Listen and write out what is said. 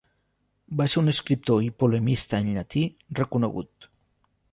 Va ser un escriptor i polemista en llatí reconegut.